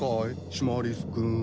シマリス君。